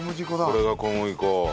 これが小麦粉。